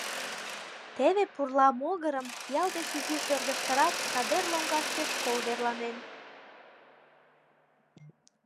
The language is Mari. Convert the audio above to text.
Теве пурла могырым, ял деч изиш ӧрдыжтырак, садер лоҥгаште школ верланен.